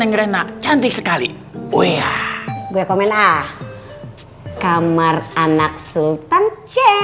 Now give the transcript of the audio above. yang enak cantik sekali oh ya gue komen ah kamar anak sultan cik